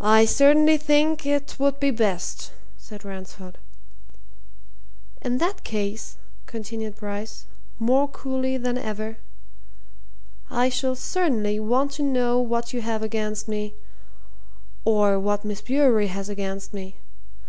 "I certainly think it would be best," said Ransford. "In that case," continued Bryce, more coolly than ever, "I shall certainly want to know what you have against me or what Miss Bewery has against me.